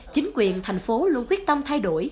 chính quyền thành phố luôn quyết tâm thay đổi